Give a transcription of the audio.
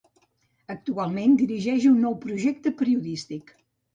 Actualment dirigeix un nou projecte periodístic: